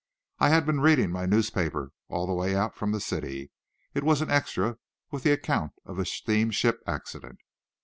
I had been reading my newspaper all the way out, from the city. It was an `extra,' with the account of the steamship accident."